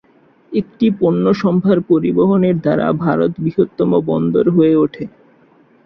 এটি পণ্যসম্ভার পরিবহনের দ্বারা ভারত বৃহত্তম বন্দর হয়ে ওঠে।